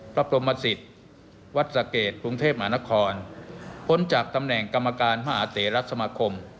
พระพรมสิตวัดสะเกดกรุงเทพหมานครพ้นจากตำแหน่งกรรมการหาเทราสมาคม